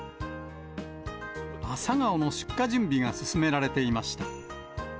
朝顔の出荷準備が進められていました。